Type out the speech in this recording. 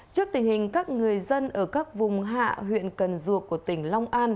trước tình hình các người dân ở các vùng hạ huyện cần duộc của tỉnh long an